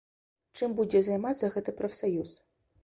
Чым будзе займацца гэты прафсаюз?